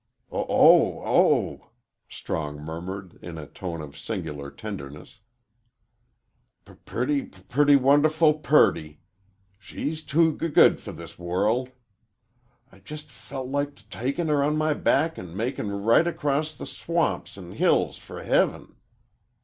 "Oh h h! Oh h h!" Strong murmured, in a tone of singular tenderness. "P purty! purty! w wonderful purty! She's too g good fer this w world. I jes' f felt like t takin' her on my b back an' makin' r right across the s swamps an' hills fer heaven."